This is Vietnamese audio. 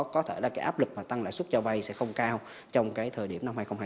có thể là cái áp lực mà tăng lãi suất cho vay sẽ không cao trong cái thời điểm năm hai nghìn hai mươi